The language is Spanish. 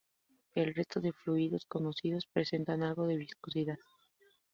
El resto de fluidos conocidos presentan algo de viscosidad.